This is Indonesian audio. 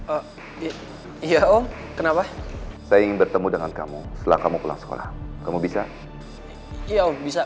oh iya iya oh kenapa saya ingin bertemu dengan kamu setelah kamu pulang sekolah kamu bisa iya bisa